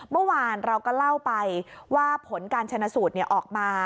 เมื่อวานเราก็เล่าไปว่าผลการชนะสูตรออกมา